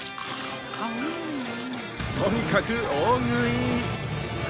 とにかく大食い